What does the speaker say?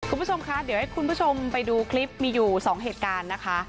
คุณผู้ชมคะเดี๋ยวให้คุณผู้ชมไปดูคลิปมีอยู่๒เหตุการณ์นะคะ